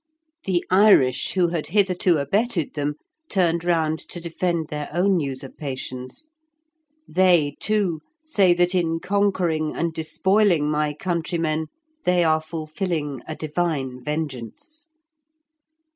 The Irish, who had hitherto abetted them, turned round to defend their own usurpations. They, too, say that in conquering and despoiling my countrymen they are fulfilling a divine vengeance.